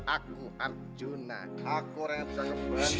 aku arjuna aku orang yang bisa ngebang